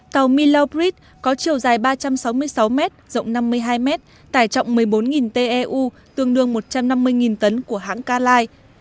tàu millowet có chiều dài ba trăm sáu mươi sáu m rộng năm mươi hai mét tải trọng một mươi bốn teu tương đương một trăm năm mươi tấn của hãng calai